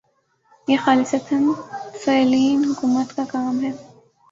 یہ خالصتا سویلین حکومت کا کام ہے۔